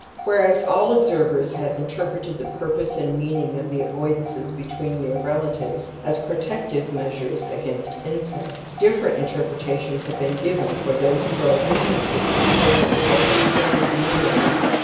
' Whereas all observers have interpreted the purpose and meaning of the avoidances between I near relatives as protective measures against in cest, different interpretations have been given for those prohibitions which concern the relationship with the mother in law.